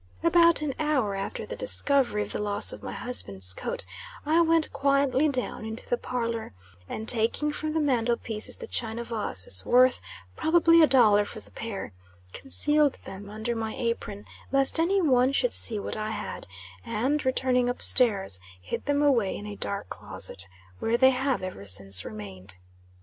About an hour after the discovery of the loss of my husband's coat, I went quietly down into the parlor, and taking from the mantle piece the china vases, worth, probably, a dollar for the pair, concealed them under my apron, lest any one should see what I had; and, returning up stairs, hid them away in a dark closet, where they have ever since remained.